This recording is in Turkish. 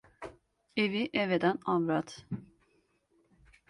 Evi ev eden avrat.